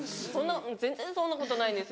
全然そんなことないんですよ。